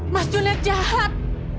mas juna jahat